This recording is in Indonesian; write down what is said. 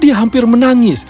dia hampir menangis